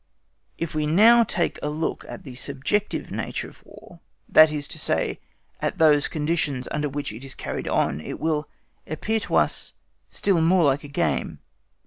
If we now take a look at the subjective nature of War, that is to say, at those conditions under which it is carried on, it will appear to us still more like a game.